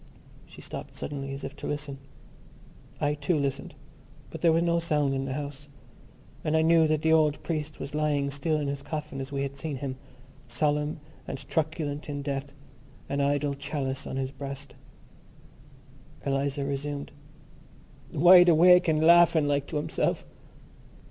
She stopped suddenly as if to listen. I too listened; but there was no sound in the house: and I knew that the old priest was lying still in his coffin as we had seen him, solemn and truculent in death, an idle chalice on his breast. Eliza resumed: "Wide awake and laughing like to himself....